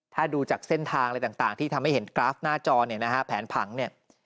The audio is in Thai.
ถ้าดูจากเส้นทางอะไรต่างที่ทำให้เห็นกราฟหน้าจอเนี่ยนะฮะแผนผังเนี่ย